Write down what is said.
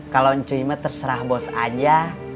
kalau ncu imeh terserah bos saja